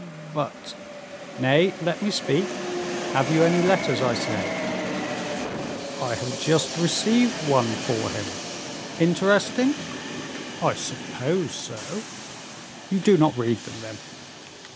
"But " "Nay, let me speak. Have you any letters, I say?" "I have just received one for him." "Interesting?" "I suppose so." "You do not read them, then?"